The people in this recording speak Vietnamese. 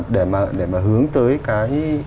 để mà hướng tới cái